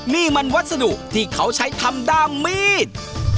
นี่มันวัสดุที่เขาใช้ทำด้ามมีด